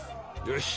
よし。